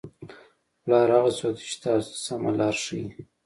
پلار هغه څوک دی چې تاسو ته سمه لاره ښایي.